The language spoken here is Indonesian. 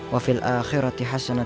wafil akhirati hasanah